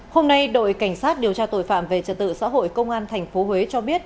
hôm nay đội cảnh sát điều tra tội phạm về trật tự xã hội công an tp huế cho biết